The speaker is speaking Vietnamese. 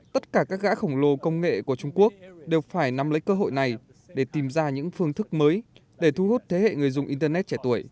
tất cả các gã khổng lồ công nghệ của trung quốc đều phải nắm lấy cơ hội này để tìm ra những phương thức mới để thu hút thế hệ người dùng internet